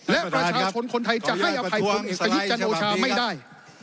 และประชาชนคนไทยจะให้อภัยพลเอกประยุทธ์จันโอชาไม่ได้